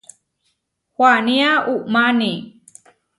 Huanía umáni.